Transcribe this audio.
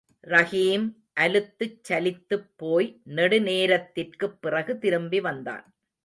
ரஹீம், அலுத்துச்சலித்துப் போய் நெடுநேரத்திற்குப் பிறகு திரும்பி வந்தான்.